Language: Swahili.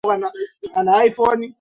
nafasi ilichukuliwa na afisa mkazi mkuu